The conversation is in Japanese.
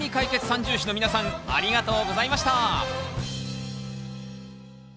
三銃士の皆さんありがとうございました！